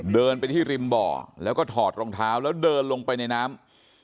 เดินไปที่ริมบ่อแล้วก็ถอดรองเท้าแล้วเดินลงไปในน้ำ